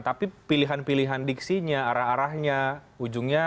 tapi pilihan pilihan diksinya arah arahnya ujungnya